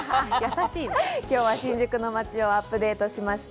今日は新宿の街をアップデートしました。